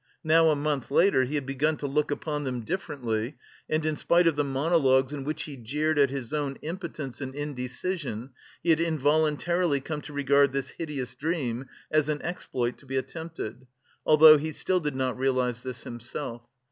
Now, a month later, he had begun to look upon them differently, and, in spite of the monologues in which he jeered at his own impotence and indecision, he had involuntarily come to regard this "hideous" dream as an exploit to be attempted, although he still did not realise this himself.